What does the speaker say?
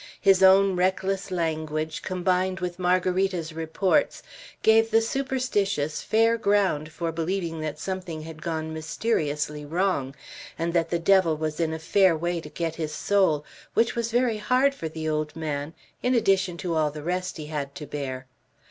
His own reckless language, combined with Margarita's reports, gave the superstitious fair ground for believing that something had gone mysteriously wrong, and that the Devil was in a fair way to get his soul, which was very hard for the old man, in addition to all the rest he had to bear.